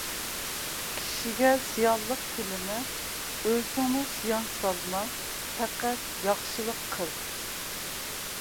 كىشىگە زىيانلىق تىلىمە، ئۆزۈڭمۇ زىيان سالما، پەقەت ياخشىلىق قىل.